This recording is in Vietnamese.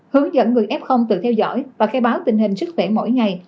hướng dẫn người f tự theo dõi và khai báo tình hình sức khỏe mỗi ngày